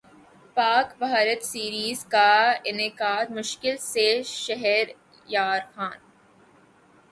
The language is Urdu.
پاک بھارت سیریزکا انعقادمشکل ہے شہریارخان